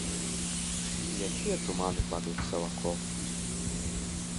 Якія туманы кладуцца вакол!